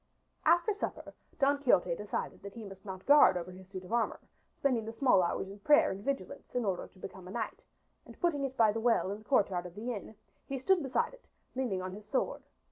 After supper Don Quixote decided that he must mount guard over his suit of armor, spending the small hours in prayer and vigilance, in order to become a knight, and putting it by the well in the courtyard of the inn, he stood beside it, leaning on his sword.